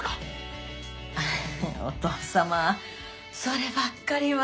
お父様そればっかりは。